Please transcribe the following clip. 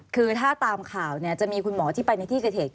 คือถ้าตามข่าวเนี่ยจะมีคุณหมอที่ไปในที่เกิดเหตุ